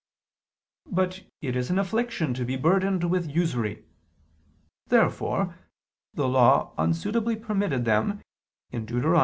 But it is an affliction to be burdened with usury. Therefore the Law unsuitably permitted them (Deut.